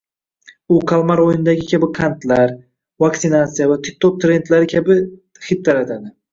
U “Kalmar o‘yini”dagi qandlar, vaksinatsiya va TikTok trendlari kabi hid taratadi